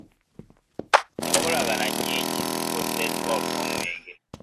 Enkolagana nyingi zikoseddwa olw'omwenge .